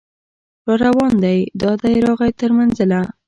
راروان دی دا دی راغی تر منزله